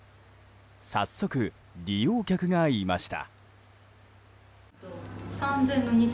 早速、利用客がいました。